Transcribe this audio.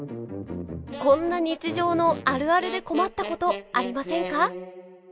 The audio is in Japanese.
こんな日常のあるあるで困ったことありませんか？